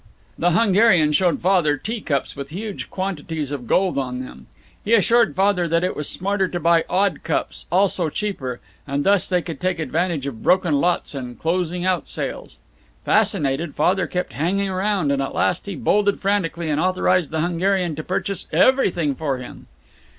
The Hungarian showed Father tea cups with huge quantities of gold on them. He assured Father that it was smarter to buy odd cups also cheaper, as thus they could take advantage of broken lots and closing out sales. Fascinated, Father kept hanging around, and at last he bolted frantically and authorized the Hungarian to purchase everything for him.